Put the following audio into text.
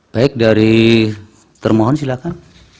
baik dari termohon silahkan